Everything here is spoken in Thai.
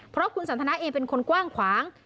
เพราะคุณสันทนาเองเป็นคนกว้างขวาง